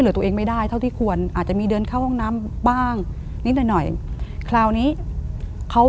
ตัวเองไม่ได้เท่าที่ควรอาจจะมีเดินเข้าห้องน้ำบ้างนิดหน่อยหน่อยคราวนี้เขา